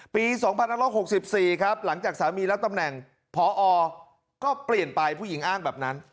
๒๑๖๔ครับหลังจากสามีรับตำแหน่งพอก็เปลี่ยนไปผู้หญิงอ้างแบบนั้น